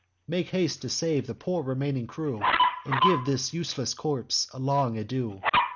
Make haste to save the poor remaining crew, And give this useless corpse a long adieu.